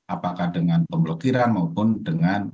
apakah dengan pemblokiran maupun dengan